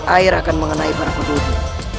air akan mengenai para penduduk